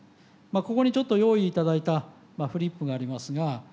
ここにちょっと用意いただいたフリップがありますが。